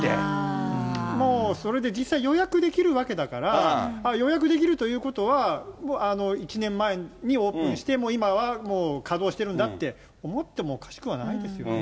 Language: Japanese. もうそれで、実際に予約できるわけだから、予約できるということは、１年前にオープンして、もう今は稼働してるんだって思ってもおかしくはないですよね。